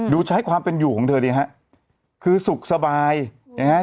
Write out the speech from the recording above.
ใช้ความเป็นอยู่ของเธอดีฮะคือสุขสบายนะฮะ